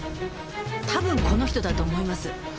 多分この人だと思います。